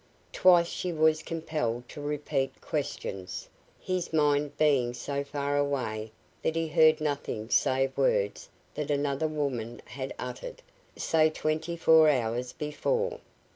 Twice she was compelled to repeat questions, his mind being so far away that he heard nothing save words that another woman had uttered, say twenty four hours before.